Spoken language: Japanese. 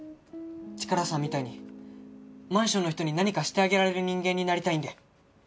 チカラさんみたいにマンションの人に何かしてあげられる人間になりたいんで。